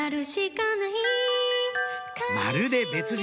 まるで別人！